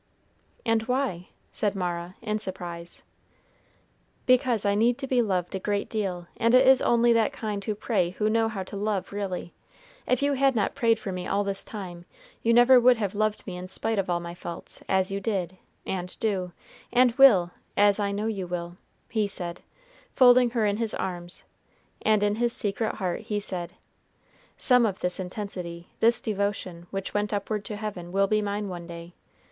"And why?" said Mara, in surprise. "Because I need to be loved a great deal, and it is only that kind who pray who know how to love really. If you had not prayed for me all this time, you never would have loved me in spite of all my faults, as you did, and do, and will, as I know you will," he said, folding her in his arms, and in his secret heart he said, "Some of this intensity, this devotion, which went upward to heaven, will be mine one day.